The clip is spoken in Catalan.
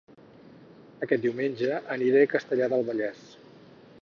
Aquest diumenge aniré a Castellar del Vallès